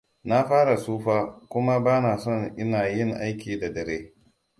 Na fara tsufa kuma ba na son ina yin aiki da dare.